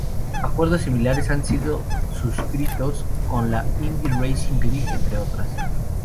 Acuerdos similares han sido suscritos con la Indy Racing League, entre otras.